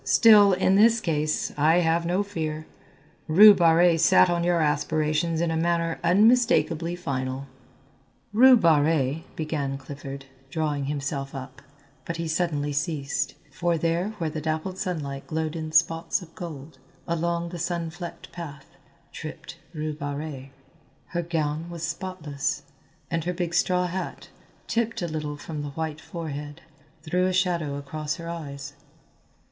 Still, in this case, I have no fear. Rue Barrée sat on your aspirations in a manner unmistakably final." "Rue Barrée," began Clifford, drawing himself up, but he suddenly ceased, for there where the dappled sunlight glowed in spots of gold, along the sun flecked path, tripped Rue Barrée. Her gown was spotless, and her big straw hat, tipped a little from the white forehead, threw a shadow across her eyes.